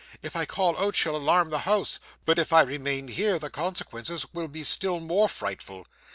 If I call out she'll alarm the house; but if I remain here the consequences will be still more frightful.